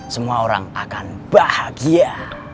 semua orang akan bahagia